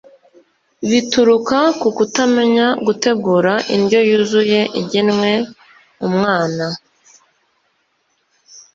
bituruka ku kutamenya gutegura indyo yuzuye igenwwe umwana